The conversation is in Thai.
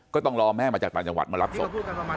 ก็ต้องรอแม่มาจากต่างจังหวัดมารับศพ